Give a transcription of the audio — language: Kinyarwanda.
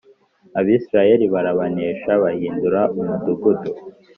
Abisirayeli barabanesha bahindura umudugudu